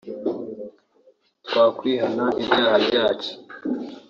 twakwihana ibyaha byacu